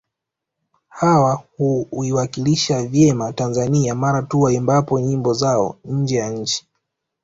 Hawa huiwakilisha vyema Tanzania mara tu waimbapo nyimbo zao nje ya nchi